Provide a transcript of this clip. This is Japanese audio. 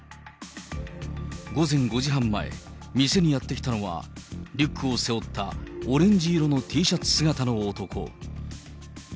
午前５時半前、店にやって来たのは、リュックを背負ったオレンジ色のＴシャツ姿の男。